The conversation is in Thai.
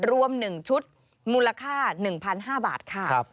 รวม๑ชุดมูลค่า๑๕๐๐บาทค่ะ